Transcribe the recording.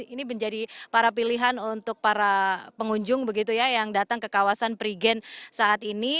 ini menjadi para pilihan untuk para pengunjung begitu ya yang datang ke kawasan prigen saat ini